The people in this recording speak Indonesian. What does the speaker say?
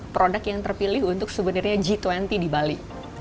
produk yang terpilih untuk sebenarnya g dua puluh di bali